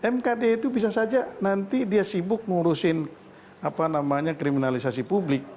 mkd itu bisa saja nanti dia sibuk mengurusin kriminalisasi publik